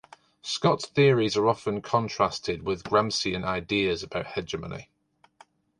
Scott's theories are often contrasted with Gramscian ideas about hegemony.